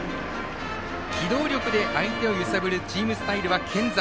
機動力で相手を揺さぶるチームスタイルは健在。